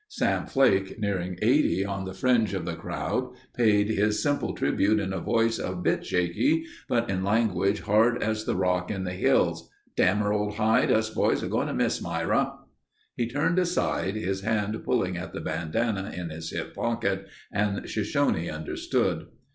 Sam Flake, nearing 80, on the fringe of the crowd paid his simple tribute in a voice a bit shaky, but in language hard as the rock in the hills: "Dam' her old hide—us boys are going to miss Myra...." He turned aside, his hand pulling at the bandana in his hip pocket and Shoshone understood.